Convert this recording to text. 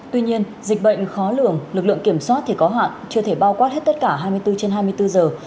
tuy nhiên dịch bệnh khó lường lực lượng kiểm soát thì có hạn chưa thể bao quát hết tất cả hai mươi bốn trên hai mươi bốn giờ